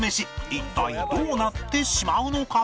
一体どうなってしまうのか？